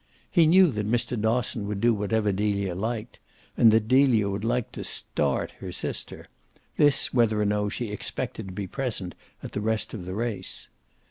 He knew that Mr. Dosson would do whatever Delia liked and that Delia would like to "start" her sister this whether or no she expected to be present at the rest of the race.